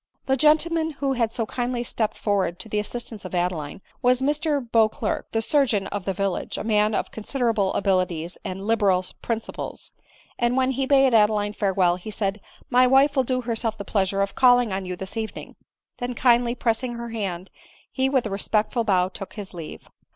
The gentleman who bad so kindly stepped forward to the assistance of Adeline, was Mr Beauclerc, die sur geon of the village, a man of considerable abilities and liberal principles ; and when he bade Adeline farewell, he said, " My wife will do herself the pleasure of calling on you this evening ;" then, kindly pressing her hand, he with a respectful bow took his leave.